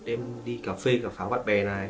em đi cà phê cả pháo bạn bè này